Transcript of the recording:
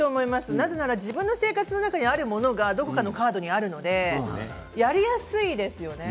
なぜなら自分の生活にあるものがどこかのカードにあるのでやりやすいですよね。